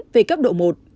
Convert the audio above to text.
về cấp độ một